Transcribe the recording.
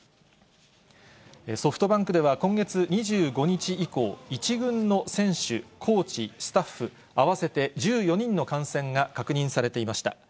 ソフトバンクでは、今月２５日以降、１軍の選手、コーチ、スタッフ合わせて１４人の感染が確認されていました。